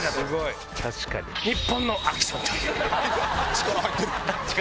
力入ってる。